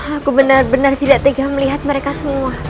aku benar benar tidak tega melihat mereka semua